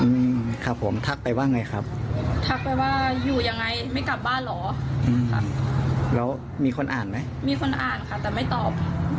มีคนอ่านค่ะแต่ไม่ตอบ